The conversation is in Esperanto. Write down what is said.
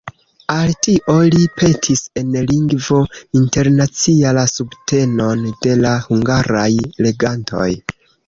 Al tio li petis en Lingvo Internacia la subtenon de la hungaraj legantoj.